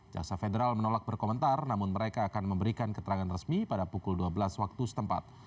jasa federal menolak berkomentar namun mereka akan memberikan keterangan resmi pada pukul dua belas waktu setempat